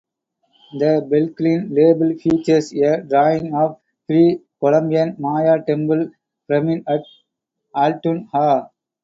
The Belikin label features a drawing of a Pre-Columbian Maya temple-pyramid at Altun Ha.